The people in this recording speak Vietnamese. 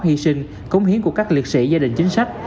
hy sinh cống hiến của các liệt sĩ gia đình chính sách